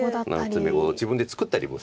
詰碁自分で作ったりもする。